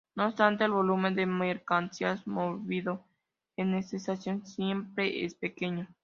No obstante, el volumen de mercancías movido en esta estación siempre es pequeño.